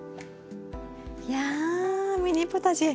いやミニポタジェ。